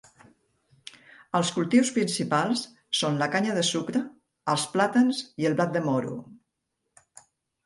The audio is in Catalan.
Els cultius principals són la canya de sucre, els plàtans i el blat de moro.